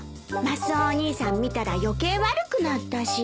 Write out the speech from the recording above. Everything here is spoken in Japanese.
マスオお兄さん見たら余計悪くなったし。